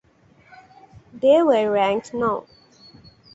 They were ranked no.